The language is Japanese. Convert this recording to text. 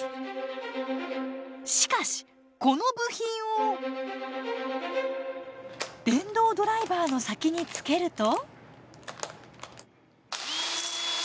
しかしこの部品を電動ドライバーの先につけると。